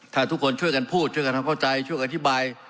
ถ้าทุกคนช่วยกันพูดช่วยกันทำเข้าใจช่วยกันอธิบาย